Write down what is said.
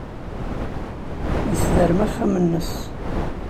Yessedrem axxam-nnes.